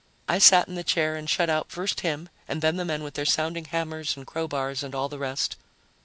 I sat in the chair and shut out first him and then the men with their sounding hammers and crowbars and all the rest.